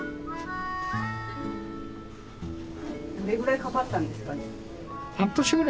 どれぐらいかかったんですか？